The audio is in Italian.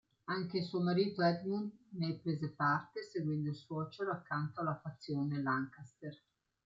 Anche suo marito Edmund ne prese parte seguendo il suocero accanto alla fazione Lancaster.